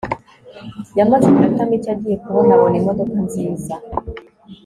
yamaze iminota mike agiye kubona abona imodoka nziza